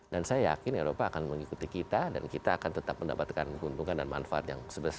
dan saya yakin eropa akan mengikuti kita dan kita akan tetap mendapatkan keuntungan dan manfaat yang sebesar